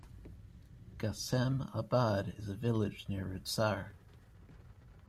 Ghassem Abad is a village near Rudsar.